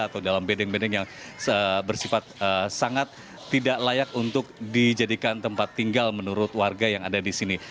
atau dalam bedeng bedeng yang bersifat sangat tidak layak untuk dijadikan tempat tinggal menurut warga yang ada di sini